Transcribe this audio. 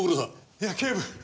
いや警部！